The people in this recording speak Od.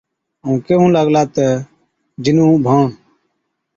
ائُون ڪيهُون لاگلا تہ، جِنُون اُڀاڻ،